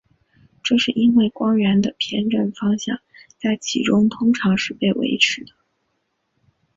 这是因为光源的偏振方向在其中通常是被维持的。